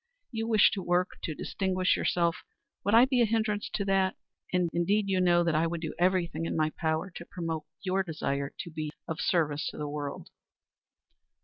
You wish to work to distinguish yourself. Would I be a hindrance to that? Indeed, you must know that I would do every thing in my power to promote your desire to be of service to the world."